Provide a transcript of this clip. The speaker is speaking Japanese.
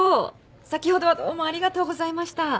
先ほどはどうもありがとうございました。